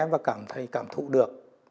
và cảm thấy cảm thụ được